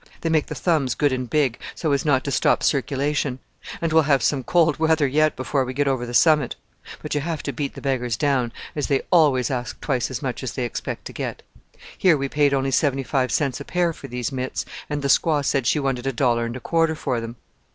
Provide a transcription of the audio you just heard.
They make the thumbs good and big, so as not to stop circulation; and we'll have some cold weather yet before we get over the summit. But you have to beat the beggars down, as they always ask twice as much as they expect to get. Here we paid only seventy five cents a pair for these mitts, and the squaw said she wanted a dollar and a quarter for them."